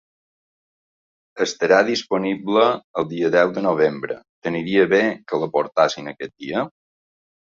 Estarà disponible el dia deu de novembre, t'aniria bé que la portessin aquest dia?